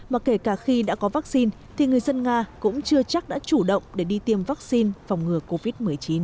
mà kể cả khi đã có vaccine thì người dân nga cũng chưa chắc đã chủ động để đi tiêm vaccine phòng ngừa covid một mươi chín